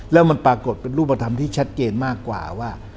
แล้วมันปรากฏเป็นรูปธรรมที่ชัดเจนมากกว่าว่า